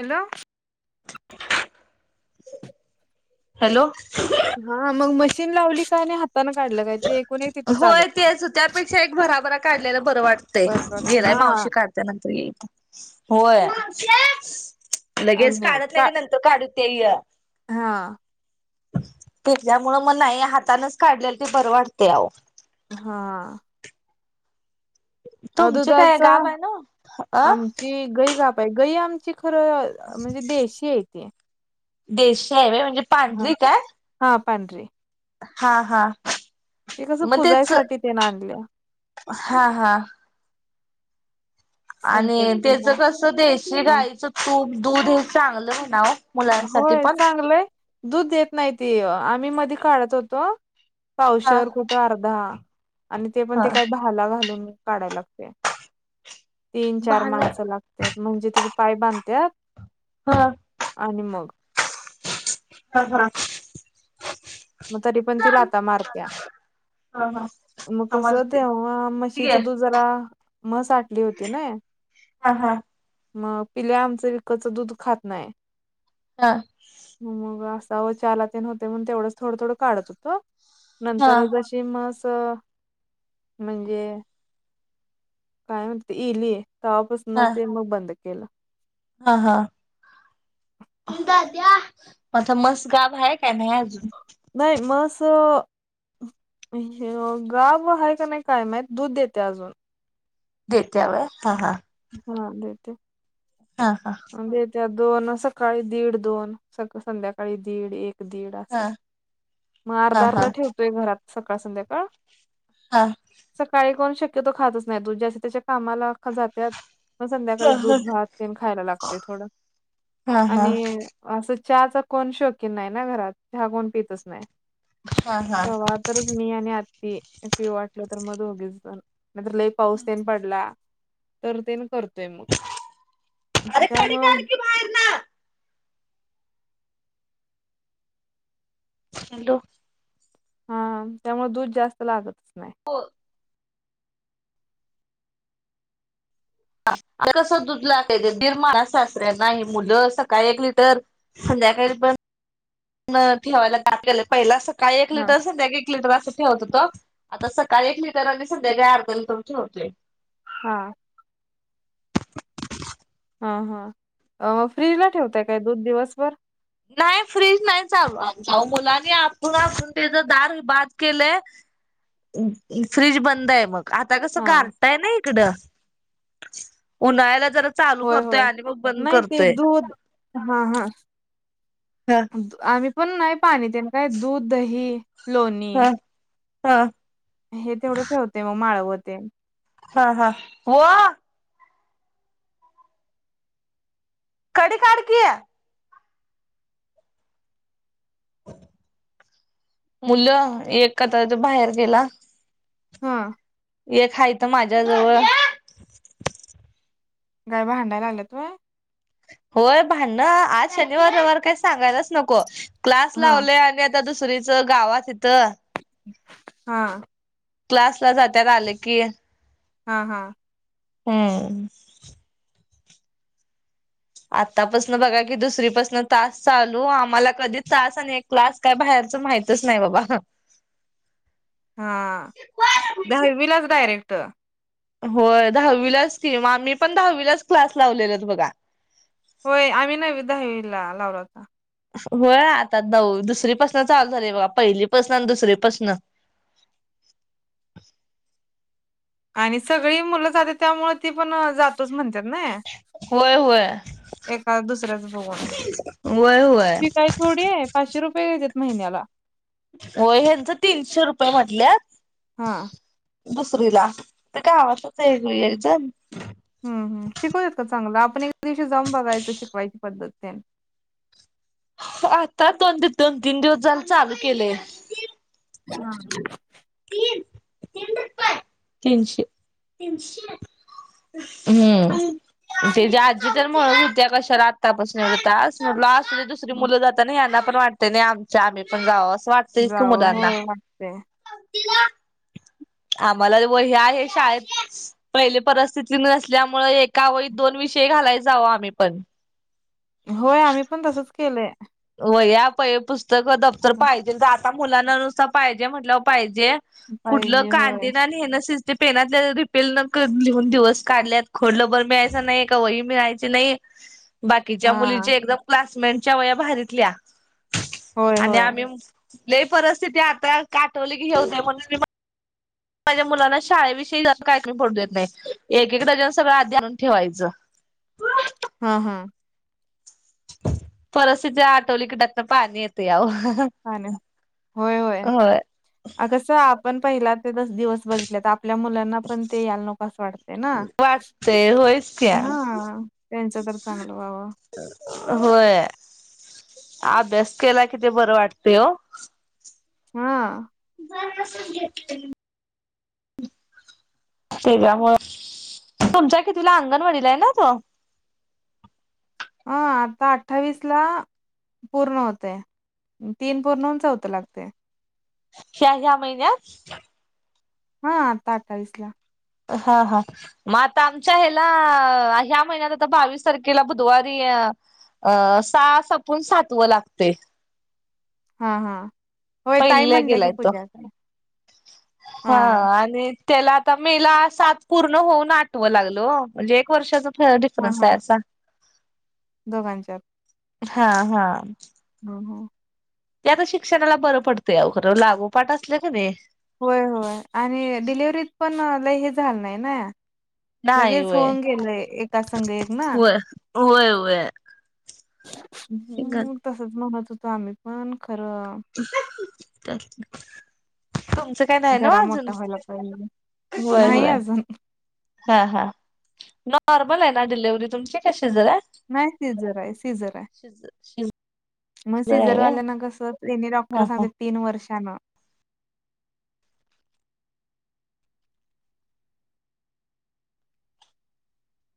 Hello hello हा मग machine लावली का होय तेच त्यापेक्षा एक भराभरा काढलेलं बरं वाटतं ते बर वाटते गेलाय हा मावशी काढ नंतर ये होय लगेच आणि काढत का नाही नंत काढू तेय हा पझमुळ मग नाही हातानच काढलेलं ते बरं वाटते अ हा अ तुमचे काय दुधचा गाब आहे ना अ आमची गई का गई आमची खरं म्हणजे देशी आहे ते देश आहे म्हणजे हा पांढरी का आहे हा पनरी हा हा ते कसं मग तेच पुजायसाठी तेने आणल्या हा हा आणि त्याच संकष्टीला कसं देशी हा गाईचं तूप दूध हे चांगलं आहे नाव होय चांगलंय दूध देत नाहीती आम्ही मध्ये काढत होतो हा पावशीवर खूप अर्धा आणि ते पण हा ते काही भाला घालून काढायला लागते तीन चार भाल माणसं लागत म्हणजे त्याचा पाय बांधतात हा ह निम मग ह हा मग तरी पण ती लाता मारक्या हा हा मग कस तेव्हा मशीचा दु जरा म सा आटली होती ना हा हा मग पिले आमचं विकच दूध खात नाही हा मग असा व चला तेन होते म्हण तेवढंच थोडं थोडं काढत होत हा नंतर शिमस म्हणजे काय म्हणते इईल तवापासून हा ते मग बंद केलं हा हा द्या आता मस्त गाव आहे काय नाही अजून नाही मसं हे गाब आहे का नाही काय माहत दूध देते अजून देतवर हा हा हा देेते हा हा म्हणजे त्या दोन सकाळी दीड दोन सका संध्याकाळी दीड एक दीड अस हा मग हा अर्धा अर्धा हा ठेवतोय घरात सकाळ संध्याकाळ हा सकाळी कोण शक्यतो खातच नाही. तू ज त्याच्या कामाला जातात. मग संध्याकाळी दूध -भात तेन खायला लागते थोडं. हा हा आणि असं, चहाचा कोण शोकीन नाही ना घरात. चहा कोण पितच नाही. हा हा [unintelligible] तरच मी आणि आत्ती. पिव वाटल तर म धोगीच जण. नाही तर, लई पाऊस तेन पडला तर ते न करतोय मग. अरे कडी त्यामु काढ की बाहेर ना हॅलो. हा, त्यामुळे दूध जास्त लागतच नाही. हो. आता कसं दूध [unintelligible] सासऱ्याना ही मुलं. सकाळी एक लिटर संध्याकाळी पण. [unintelligible] ठेवायला [unintelligible] पहिला सकाळी एक हा लिटर संध्याकाळी एक. लिटर अस ठेवत होतो. आता सकाळी एक लिटर आणि सध्या अर्ध लिटर ठेवतोय. हा. हा, हा. फ्रीजमधे ठेवताय काय दूध? दिवसभर. नाही. फ्रीज नाही चालू आमच. अहो मुलांनी आपून आपून त्याच दार बाद केलंय. [unintelligible] फ्रीज बंदय मग. आता कसं हां. गारठाय ना इकडं. उन्हाळ्याला जरा चालू होय, करतोय, आणि मग बंद करतोय. हा, हा. हा. आम्ही पण नाही पाणी ते काय. दूध, दही. लोणी हा, हा. हे तेवढं ठेवते मग, माळव ते. हा, हा. ओ. कडी काड की. मुलं, एखादा द बाहेर गेला हा. हे हाय त माझ्याजवळ. काय, भांडायला आल्यात होय. होय, भांडणं. आज शनिवार- रविवार काय सांगायलाच नको. क्लास हां, लावले आणि आ ता दुसरीचं, गावात हिथं. [inaudible] हा. क्लासला जात्यात, आलं की. हा, हा. हम्म. आतापासन बघा कि, दुसरीपासन तास चालू. आम्हाला कधी तास आणि क्लास काय, बाहेरच माहितच नाही बाबा. [unintelligible] हा. दहावीलाच डायरेक्ट. होय. दहावीलाच की. म आम्ही पण दहावीलाच क्लास लावलेलत बघा. होय. आम्ही नववि, दहावीला, लावला होता. होय आता नऊ, दुसरीपासन चालू झाले बघा. पहिलीपासन आणि दुसरीपासन. आणि सगळी मुलं जातेत, त्यामुळे ती पण जातोच म्हणत्यात ना. होय होय एका दुसऱ्याच बघून. होय होय फी काय थोडी हाय. पाचशे रुपये घेतात महिन्याला. हो. ह्यांच, तीनशे रुपये म्हटल्यात. हां. दुसरीला. ती गावातचय, एकजण. हम्, हम. शिकवतेत का चांगलं? आपण एक दिवशी जाऊन बघायचं. शिकवायची पद्धत तेन. [unintelligible] आता दोन, दोन- तीन दिवस झाले चालू केलेय. हा. [inaudible] तीन, तीन रुपय. तीनशे, तीनशे. हम्म. [inaudible] ते आजी तर म्हणून होित्या कशाला आत्तापासून यतास म्ह अस दु मग मुलं जात ना यांना पण वाटते नाही आम आम्ही पण जाव असं वाटत जाऊ होय वाटतेय आम्हाला व हे आहे शाळेत पहिले परिस्थिती नसल्यामुळे एका वत दोन विषय घालाय जावो आम्ही पण होय आम्ही पण तसच केलंय व या प हे पुस्तक दफ्तर पाहिजे आता मुलांना नुसार पाहिजे म्हटलंवर पाहिजे कुठलं पाहिजे होय. काांदना आणि हे नसे ते पेनातल्या रिपेल न लिहून दिवस काढल्यात खोडलंभर मिळायच नाही का वही मिळायचे नाही बाकीच्या हां. मुलीच्या एकदम क्लासमेंटच्या वया बाारीतल्या होय, आणि होय. आम्ही ल परिस्थिती आता काठवली की घेऊते म्हणून माझ्या मुलांना शाळेविषयी ज काहीत पडू देत नाही एक एक दडजन सगळं आधी आणून ठेवायचं हा हा पर असं जा टोली कडन पाणी ते आव ह होय होय अगस आपण पहिला ते दस दिवस बघितले तर आपल्या मुलांना त्यांना पण ते याला नोकस वाटते ना हो हा त्यांच तर चांगलं बावा होय अभ्यास केला किती बरं वाटत हो हा सून घेत तेवमुळे तुमच्या कितीला अंगणवाडीला आहे ना तो अं आता अठ्ठावीस ला पूर्ण होते तीन पूर्णच होतं लागते ह्या ह्या महिन्यात हा आता अठ्ठावीस ला हा हा मग आता आमच्या ह्याला ह्या महिन्यात आता बावीस तारखेला बुधवारी अ सास आपून सातवं लागते हा हा पहिल्या गेलाय तो हा आणि त्याला आता मेला सात पूर्ण होऊन आटवं लागल म्हणजे एक वर्षाच ह डिफरन्स आहे असा दोघांच्याार हा हा ह ह ते आता शिक्षणाला बरं पडतंय अ खरं लागोपाठ असल्या का नाही होय होय आणि डिलेिवर्हरीत पण ल हे झालं नाही ना नाही लगेच वय होऊन गेलंय एका संघ एक ना होय होय वय हम् तसच म्हणत होतो आम्ही पण खरं [inaudible] का ना जरा अजून मोठा व्हायला पाहिजे हय नाही होय अजून हा हा नॉर्मल आहे ना डिलेव्ही तुमची कशी झारा नाही सिझर आहे सिझर आहे शिजर मग आहे व्हय सिझरवाल्या ना कस त्यांनी हा डॉक्टर हा सांगते तीन वर्षांना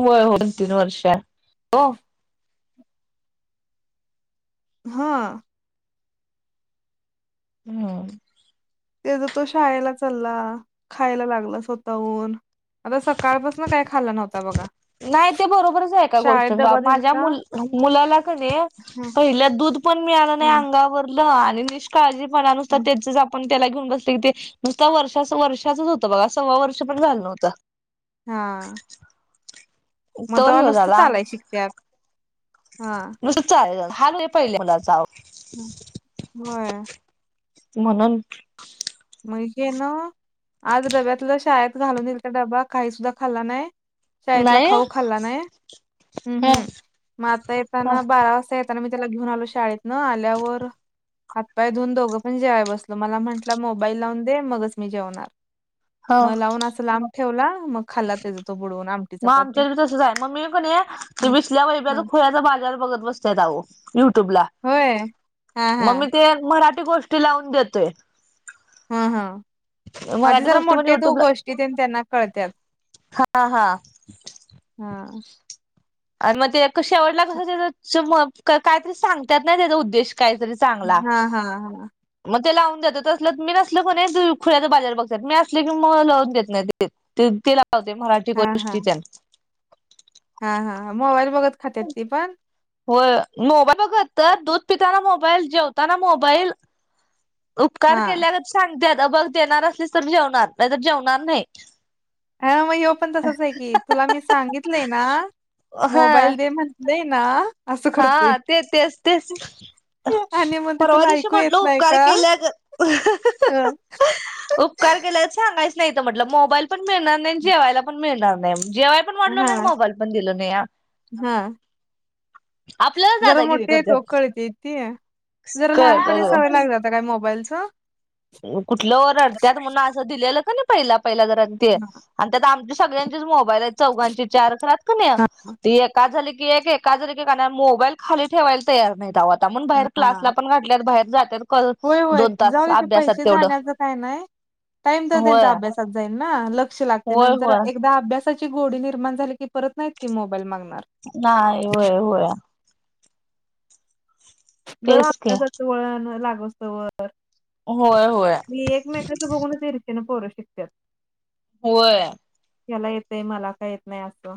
होय दोन तीन वर्ष हो हा हम्म त्याचा तो शाळेला चालला खायला लागला स्वतःहून आता सकाळपासून काय खाल्ला नव्हता बघा नाही ते बरोबरच आहे का गोष्ट शाळेत डबा माझ्या दिलता मु मुलाला कण हा पहिल्या दूध पण मिळालं नाही हा अंगावरलं आणि निष्काळजीपणा नुसत हा त्याचच आपण त्याला घेऊन बसत की ते नुसता वर्षा वर्षाच होतं बघा सव्वा वर्ष पण झालं नवतं हा मग तेव्हा तोरी हो नुसतं झाला चालाय शिकत्यात हा चा हलू आहे पहिले मला जाव ह ब मणन मगे ना आज डब्यातलं शाळेत घालून येईल का डबा काही सुद्धा खाल्ला नाही शाळेतला नाही खाऊ खाल्ला नाही हम्म ह हम् म आता ह येताना बारा वाजता येत त्यांना मी त्याला घेऊन आलो शाळेत न आल्यावर हातपाय धऊन दोघं पण जेवाय बसलो मला म्हटलं मोबाईल लावून दे मगच मी जेवणार ह मग लावून असं लांब ठेवला मग खाल्ला त्याचा तो बुडवून आम ठेव मग आमच्याती तसंच आहे मग मी पण आहे बसल्या हा वैबी खोयाचा बाजारवर बघत बसत ेतऊ युट्यूबला होय हा हा मग मी ते मराठी गोष्टी लावून देतोय हा हा अ ते मराठी जरा गोष्टी पण मोठे तो युट्यूबला गोष्टी त्यांना कळतात हा हा हा आणि मग ते शेवटला कसं त्या काहीतरी सांगतात नाही त्याचा उद्देश काहीतरी चांगला हां, हां, हां. मग ते लावून देतल मी नसल कोणी खुल्या तर बाजार बघतात मी असले की मग लावून घेत नाही ते ते ते लावते मराठी गोष्टीच्या हा हा मोबाईल बघत खातेत ती पण हो मोबाईल बघ तर दूध पिताना मोबाईल जेवताना मोबाईल उपकार हां. केल्या सांगते बघ देणार असलीस तर जेवणार नाही जेवणार नाही हा मग ये पण तसंच आहे की तुला मी सांगितलंय ना हा मोबाईल दे म्हण े ना असं करतोय. हा ते तेच तेच आणि मग ते परवा तुला दिशी ऐकू येत म्हटल नाही उपकार का? केल्या हं, केलाय सांगायच नाही म्हटलं मोबाईल पण मिळणार नाही जेवायला पण मिळणार नाही जेवाय पण वाढो नाही मोबाईल पण दिलो नाही या हा आपल्याला जरा दादागिरी मोठे करत्यात येतोकळती य ते जरा लहानपणी सवय कळतय लाग जात काय मोबाईलचं कुठलं व रडत्यात म्हणून असं दिलेलं का नाही पहिला पहिल्या घरात ते हां, आणि त्या आमच्या सगळ्यां चौ चार ख हां, का झाले की एके का झाले की काण मोबाईल खाली ठेवायला तयार नाही गावात बाहेर हां. क्सला पण घातल्यात बाहेर जातात होय होय जाऊ तिथे पैसे जाण्याच काय नाही टाईम तर त्यांचा होय अभ्यासात जाईल ना ल लक्ष लागते होय नंतर होय एकदा अभ्यासाची गोडी निर्माण झाली की परत नाहीत ती मोबाईल मागणार ना येववय जर तेच की आपल्यास वळण लाग असत व होय होय मी एकमेकांच बघूनच येरश ना पोरं शिकतात वय याला येतय मला का येत नाही असं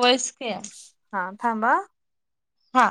वयसक्या हा थांबा हा